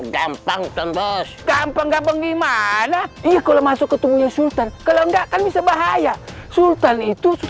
gampang gampang gimana kalau masuk ketemunya sultan kalau enggak kan bisa bahaya sultan itu